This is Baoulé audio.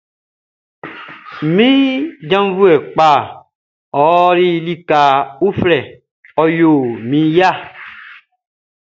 Mi janvuɛ kpaʼn ɔli lika uflɛ, ɔ yo min ya.